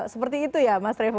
seperti itu ya mas revo